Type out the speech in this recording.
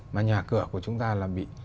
mà nhà cửa của chúng ta là bị